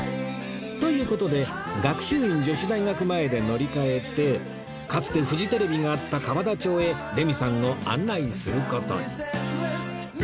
という事で学習院女子大学前で乗り換えてかつてフジテレビがあった河田町へレミさんを案内する事に